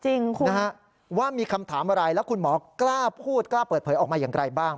จริงคุณนะฮะว่ามีคำถามอะไรแล้วคุณหมอกล้าพูดกล้าเปิดเผยออกมาอย่างไรบ้าง